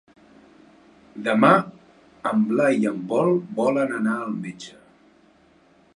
Demà en Blai i en Pol volen anar al metge.